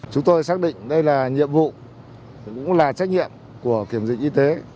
chúng tôi xác định đây là nhiệm vụ cũng là trách nhiệm của kiểm dịch y tế